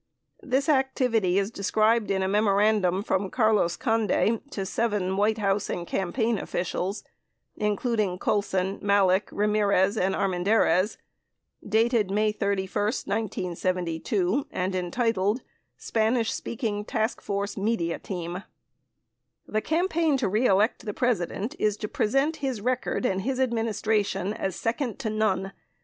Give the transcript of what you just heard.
This activity is described in a memorandum from Carlos Conde to seven White House and campaign officials, including Colson, Malek, Ramirez, and Armendariz, dated May 31, 1972, and entitled, "Spanish Speaking Task Force Media Team" : The campaign to re elect the President is to present his record and his Administration as second to none.